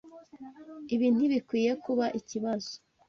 Ibi ntibikwiye kuba ikibazo.